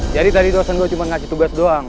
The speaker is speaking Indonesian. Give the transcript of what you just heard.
jadi tadi dosen gue cuma ngasih tugas doang